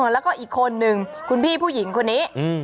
แล้วก็อีกคนนึงคุณพี่ผู้หญิงคนนี้